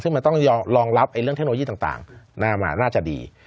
ซึ่งมันต้องรองรับเรื่องเทคโนโลยีต่างน่าจะดี